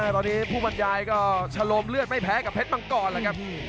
ตอนนี้ผู้บรรยายก็ชะโลมเลือดไม่แพ้กับเพชรมังกรแล้วครับ